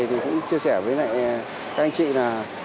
thì cũng chia sẻ với các anh chị là